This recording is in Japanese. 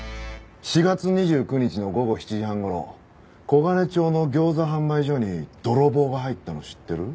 ４月２９日の午後７時半頃黄金町の餃子販売所に泥棒が入ったの知ってる？